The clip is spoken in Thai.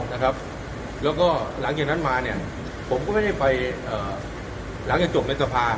แล้วก็หลังจากนั้นมาเนี่ยผมก็ไม่ได้ไปหลังจากจบในสภา